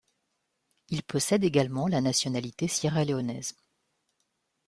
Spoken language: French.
Il possède également la nationalité sierra-léonaise.